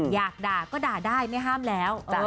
อยากด่าก็ด่าได้ไม่ห้ามแล้ว